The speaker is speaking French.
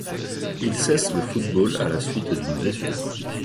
Il cesse le football à la suite d'une blessure.